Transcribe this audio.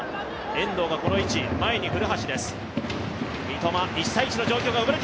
遠藤がこの位置、前に古橋です。